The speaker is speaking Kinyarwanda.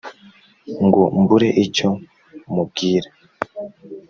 ngo mbure icyo mubwira